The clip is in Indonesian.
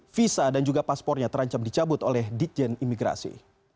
visa dan juga paspornya terancam dicabut oleh ditjen imigrasi